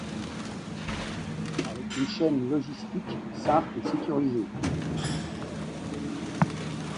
Avec une chaîne logistique simple et sécurisée.